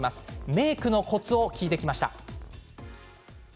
メークのコツを聞いてきました。